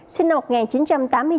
sinh năm một nghìn chín trăm tám mươi chín